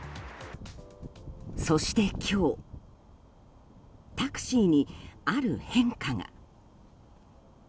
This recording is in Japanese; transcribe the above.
そして今日タクシーにある変化が。